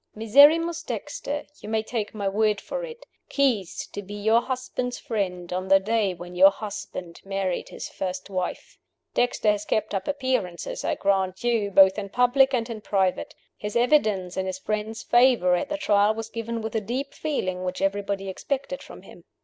Miserrimus Dexter, you may take my word for it, ceased to be your husband's friend on the day when your husband married his first wife. Dexter has kept up appearances, I grant you, both in public and in private. His evidence in his friend's favor at the Trial was given with the deep feeling which everybody expected from him.